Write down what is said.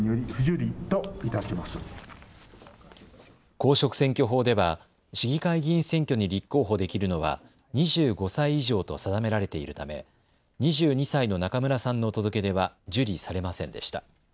公職選挙法では市議会議員選挙に立候補できるのは２５歳以上と定められているため２２歳の中村さんの届け出は受理されませんでした。